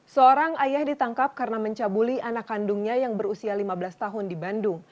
seorang ayah ditangkap karena mencabuli anak kandungnya yang berusia lima belas tahun di bandung